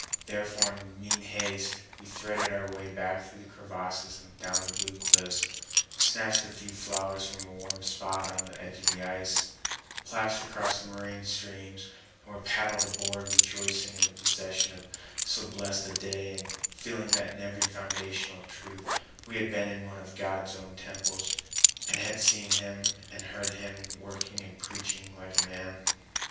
Therefore, in mean haste, we threaded our way back through the crevasses and down the blue cliffs, snatched a few flowers from a warm spot on the edge of the ice, plashed across the moraine streams, and were paddled aboard, rejoicing in the possession of so blessed a day, and feeling that in very foundational truth we had been in one of God's own temples and had seen Him and heard Him working and preaching like a man.